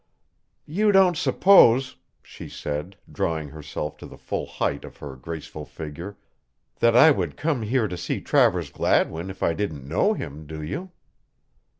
"You don't suppose," she said, drawing herself to the full height of her graceful figure, "that I would come here to see Travers Gladwin if I didn't know him, do you?"